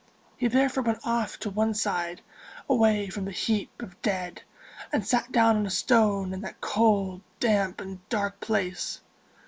He therefore went off to one side, away from the heap of dead, and sat down on a stone in that cold, damp, and dark place.